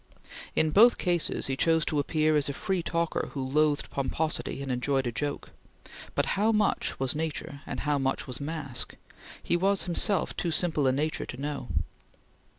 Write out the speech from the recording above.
In both cases he chose to appear as a free talker, who loathed pomposity and enjoyed a joke; but how much was nature and how much was mask, he was himself too simple a nature to know.